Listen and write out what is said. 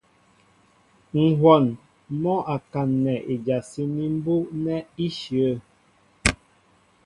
Ŋ̀hwɔn mɔ́ a kaǹnɛ ijasíní mbú' nɛ́ íshyə̂.